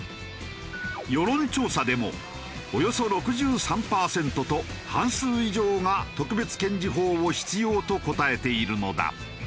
世論調査でもおよそ６３パーセントと半数以上が特別検事法を必要と答えているのだ。